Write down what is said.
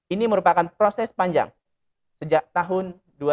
ini merupakan proses panjang sejak tahun dua ribu